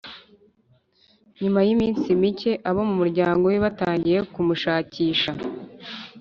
Nyuma y’iminsi micye abo mu muryango we batangiye kumushakisha.